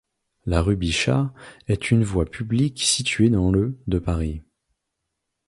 La rue Bichat est une voie publique située dans le de Paris.